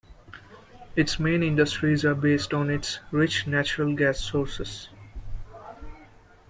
Its main industries are based on its rich natural gas sources.